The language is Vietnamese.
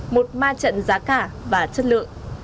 một ma trận giá cả và chất lượng